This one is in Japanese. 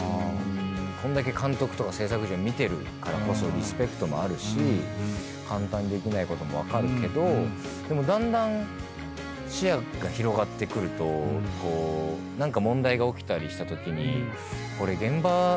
こんだけ監督とか制作陣を見てるからこそリスペクトもあるし簡単にできないことも分かるけどでもだんだん視野が広がってくるとこう何か。